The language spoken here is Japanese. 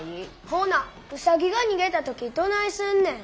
ほなウサギが逃げた時どないすんねん。